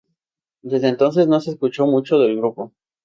Desde entonces no se escuchó mucho del grupo.